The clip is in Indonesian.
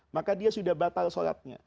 maka dia sudah batal sholatnya